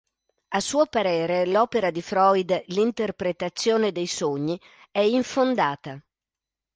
A suo parere, l'opera di Freud "L'interpretazione dei sogni" è infondata.